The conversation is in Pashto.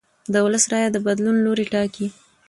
د ولس رایه د بدلون لوری ټاکي